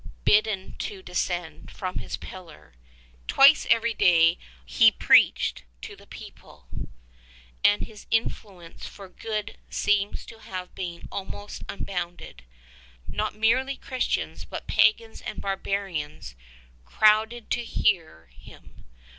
Bidden to descend from his pillar he at once complies. 157 Twice every day he preached to the people, and his influence for good seems to have been almost unbounded. Not merely Christians but pagans and barbarians crowded to hear him.